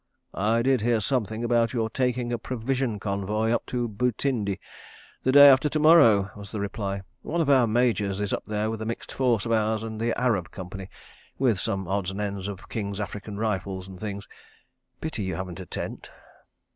"I did hear something about your taking a provision convoy up to Butindi the day after to morrow," was the reply. "One of our Majors is up there with a mixed force of Ours and the Arab Company, with some odds and ends of King's African Rifles and things. ... Pity you haven't a tent."